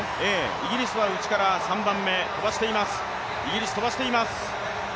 イギリスは内から３番目、飛ばしています。